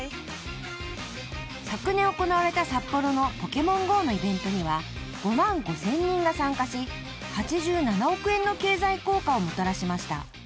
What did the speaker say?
［昨年行われた札幌の『ポケモンＧＯ』のイベントには５万５，０００人が参加し８７億円の経済効果をもたらしました］